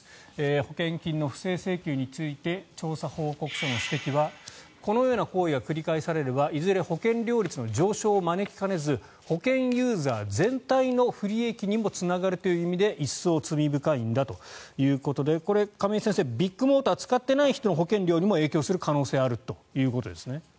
保険金の不正請求について調査報告書の指摘はこのような行為が繰り返されればいずれ保険料率の上昇を招きかねず保険ユーザー全体の不利益にもつながるという意味で一層罪深いんだということでこれ、亀井先生ビッグモーターを使ってない人の保険料にも影響する可能性があるということですね。